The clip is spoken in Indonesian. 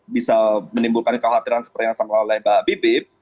bisa menimbulkan kekhawatiran seperti yang disampaikan oleh mbak bibip